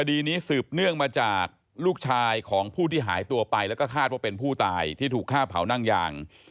คดีนี้สืบเนื่องมาจากลูกชายของผู้ที่หายตัวไปแล้วก็คาดว่าเป็นผู้ตายที่ถูกฆ่าเผานั่งยาง